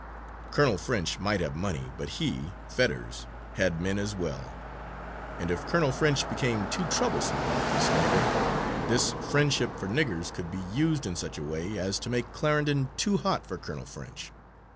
Colonel French might have money, but he, Fetters, had men as well; and if Colonel French became too troublesome about this nigger, this friendship for niggers could be used in such a way as to make Clarendon too hot for Colonel French.